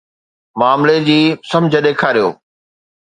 معاملي جي سمجھ ڏيکاريو.